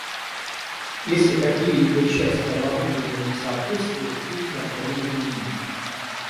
Если какие-либо части оборудования не соответствуют, их необходимо заменить